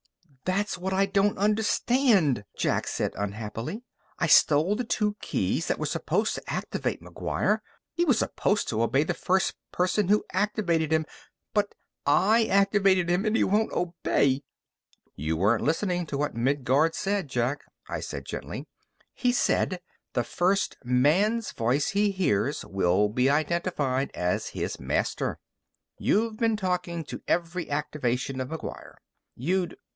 "That's what I don't understand!" Jack said unhappily. "I stole the two keys that were supposed to activate McGuire. He was supposed to obey the first person who activated him. But I activated him, and he won't obey!" "You weren't listening to what Midguard said, Jack," I said gently. "He said: 'The first man's voice he hears will be identified as his master.'" "You'd been talking to every activation of McGuire. You'd